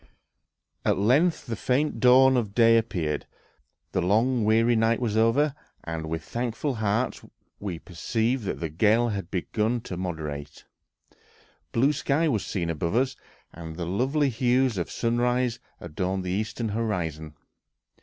At length the faint dawn of day appeared, the long, weary night was over, and with thankful hearts we perceived that the gale had begun to moderate; blue sky was seen above us, and the lovely hues of sunrise adorned the eastern horizon.